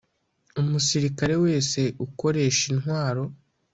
Umusirikare wese ukoresha intwaro